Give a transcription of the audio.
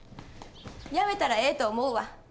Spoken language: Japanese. やめたらええと思うわ。